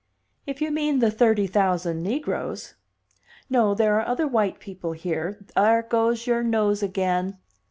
"If you mean the thirty thousand negroes " "No, there are other white people here there goes your nose again!"